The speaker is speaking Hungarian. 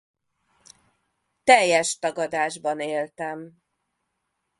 Teljes tagadásban éltem.